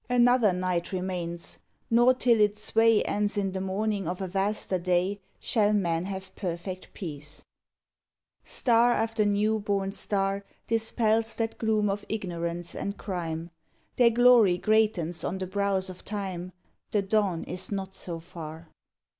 Another Night remains, nor till its sway Ends in the morning of a vaster Day Shall men have perfect peace. 112 PERSONAL POEMS Star after new born star Dispels that gloom of ignorance and crime; Their glory greatens on the brows of Time; The dawn is not so far.